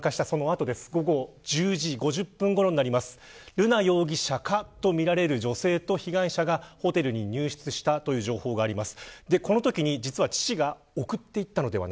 瑠奈容疑者とみられる女性と被害者がホテルに入室した、という情報があります。